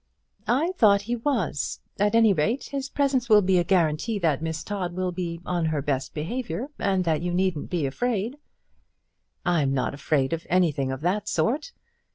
"I thought he was; at any rate his presence will be a guarantee that Miss Todd will be on her best behaviour, and that you needn't be afraid." "I'm not afraid of anything of that sort."